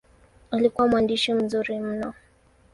Alikuwa mwandishi mzuri mno.